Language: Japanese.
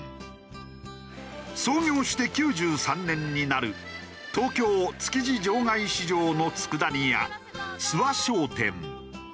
創業して９３年になる東京築地場外市場の佃煮屋諏訪商店。